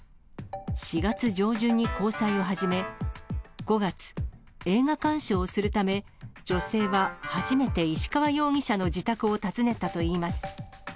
４月上旬に交際を始め、５月、映画鑑賞をするため、女性は初めて石川容疑者の自宅を訪ねたといいます。